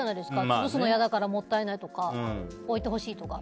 潰すの嫌だからもったいないとか置いてほしいとか。